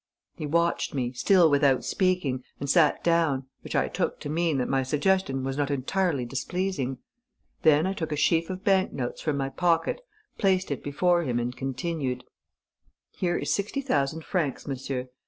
He watched me, still without speaking, and sat down, which I took to mean that my suggestion was not entirely displeasing. Then I took a sheaf of bank notes from my pocket, placed it before him and continued: 'Here is sixty thousand francs, monsieur.